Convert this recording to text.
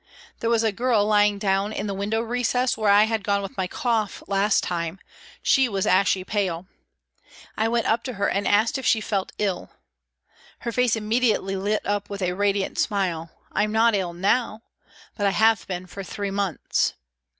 There was a girl lying down in the window recess where I had gone with my cough last time; she was ashy Y2 324 PRISONS AND PRISONERS pale. I went up to her and asked her if she felt ill. Her face immediately lit up with a radiant smile " I'm not ill now, but I have been for three months."